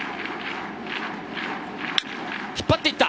引っ張っていった！